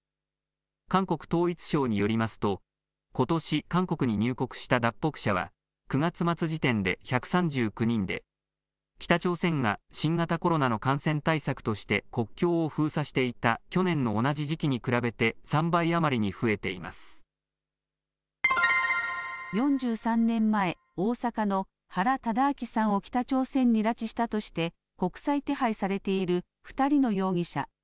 韓国統一省によりますと、ことし韓国に入国した脱北者は、９月末時点で１３９人で、北朝鮮が新型コロナの感染対策として、国境を封鎖していた去年の同じ時期に比べて、３倍余りに増えてい４３年前、大阪の原敕晁さんを北朝鮮に拉致したとして、国際手配されている２人の容疑者。